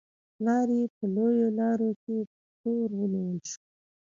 پلار یې په لویو لارو کې په تور ونیول شو.